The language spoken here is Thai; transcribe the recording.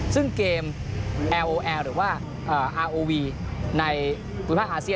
ซึ่งเกมเอ๗๐๐หรือว่าเอ่ออ่านายภูมิภาคอาเชีย